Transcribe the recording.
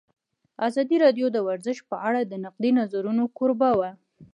ازادي راډیو د ورزش په اړه د نقدي نظرونو کوربه وه.